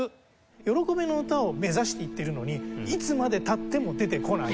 『喜びの歌』を目指していってるのにいつまで経っても出てこない。